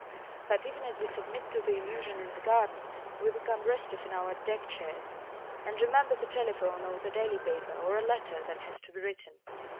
But, even as we submit to the illusion in the garden, we become restive in our deck chairs and remember the telephone or the daily paper or a letter that has to be written.